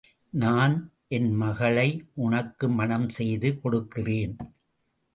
நான் என் மகளை உனக்கு மணம் செய்து கொடுக்கிறேன்.